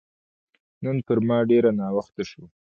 نن پر ما ډېر ناوخته شو